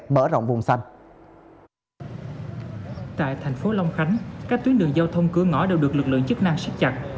tại thành phố long khánh các tuyến đường giao thông cửa ngõ đều được lực lượng chức năng xích chặt